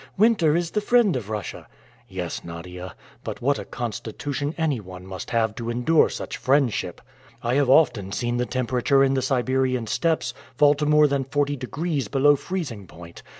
Winter is the friend of Russia." "Yes, Nadia, but what a constitution anyone must have to endure such friendship! I have often seen the temperature in the Siberian steppes fall to more than forty degrees below freezing point!